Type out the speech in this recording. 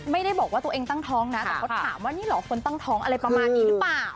ไม่ได้บอกว่าตัวเองตั้งท้องนะแต่เขาถามว่านี่เหรอคนตั้งท้องอะไรประมาณนี้หรือเปล่า